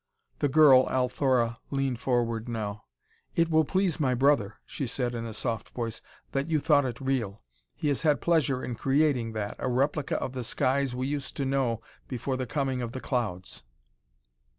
The girl, Althora, leaned forward now. "It will please my brother," she said in a soft voice, "that you thought it real. He has had pleasure in creating that a replica of the skies we used to know before the coming of the clouds."